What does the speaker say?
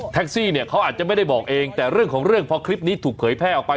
ซี่เนี่ยเขาอาจจะไม่ได้บอกเองแต่เรื่องของเรื่องพอคลิปนี้ถูกเผยแพร่ออกไป